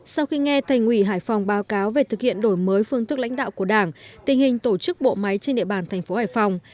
sau khi nghe thành ủy hải phòng báo cáo về thực hiện đổi mới phương thức lãnh đạo của đảng tình hình tổ chức bộ máy trên địa bàn thành phố hải phòng